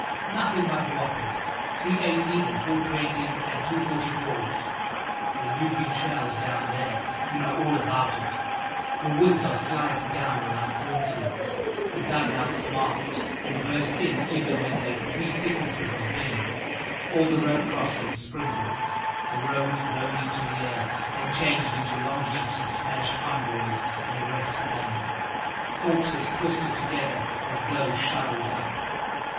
Nothing but whoppers, 380's and 420's and 244's. When you've been shelled down there you know all about it the woods are sliced down like cornfields, the dug outs marked and burst in even when they've three thicknesses of beams, all the road crossings sprinkled, the roads blown into the air and changed into long heaps of smashed convoys and wrecked guns, corpses twisted together as though shoveled up.